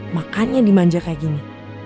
makannya dimanja kayak gini